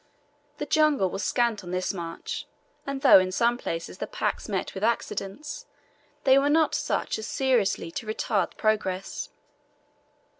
The jungle was scant on this march, and though in some places the packs met with accidents, they were not such as seriously to retard progress.